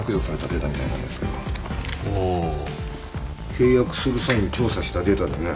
ああ。契約する際に調査したデータだね。